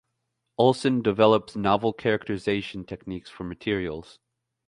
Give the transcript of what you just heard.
Olsson develops novel characterisation techniques for materials.